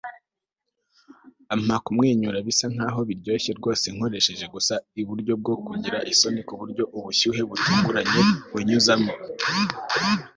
ampa kumwenyura bisa nkaho biryoshye rwose nkoresheje gusa iburyo bwo kugira isoni kuburyo ubushyuhe butunguranye bunyuzamo